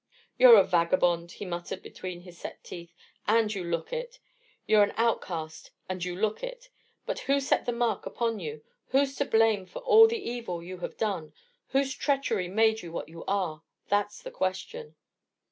"You're a vagabond!" he muttered between his set teeth, "and you look it! You're an outcast; and you look it! But who set the mark upon you? Who's to blame for all the evil you have done? Whose treachery made you what you are? That's the question!"